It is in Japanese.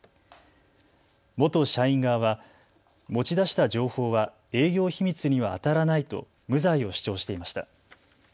元社員側は持ち出した情報は営業秘密にはあたらないと無罪を主張していました。